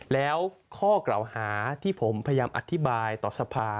แล้วข้อกล่าวหาที่ผมพยายามอธิบายต่อสภา